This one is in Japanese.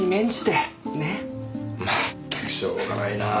まったくしょうがないなぁ。